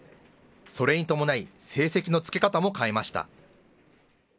それに伴い、成績のつけ方も変えました。